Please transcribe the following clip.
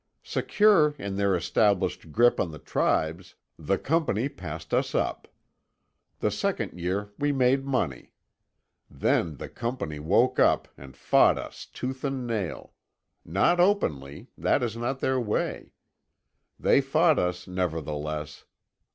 Secure in their established grip on the tribes, the Company passed us up. The second year we made money. Then the Company woke up and fought us tooth and nail. Not openly; that is not their way. They fought us, nevertheless.